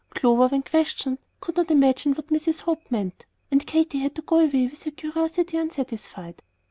Clover, when questioned, "could not imagine what Mrs. Hope meant;" and Katy had to go away with her curiosity unsatisfied.